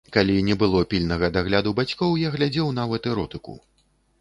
Калі не было пільнага дагляду бацькоў, я глядзеў нават эротыку.